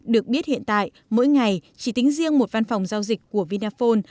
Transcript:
được biết hiện tại mỗi ngày chỉ tính riêng một văn phòng giao dịch của vinaphone